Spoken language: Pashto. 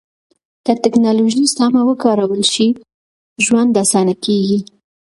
که ټکنالوژي سمه وکارول شي، ژوند اسانه کېږي.